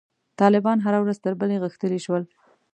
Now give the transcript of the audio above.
طالبان هره ورځ تر بلې غښتلي شول.